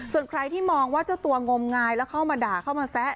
ส่วนใครที่มองว่าเจ้าตัวงมงายแล้วเข้ามาด่าเข้ามาแซะ